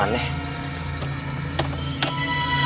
yang lebih satu yakni